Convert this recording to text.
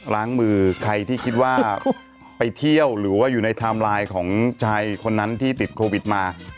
ล้างมือใครที่คิดว่าไปเที่ยวหรือว่าอยู่ในไทม์ไลน์ของชายคนนั้นที่ติดโควิดมา